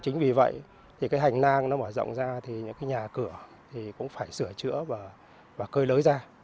chính vì vậy hành nang mở rộng ra nhà cửa cũng phải sửa chữa và cơi lới ra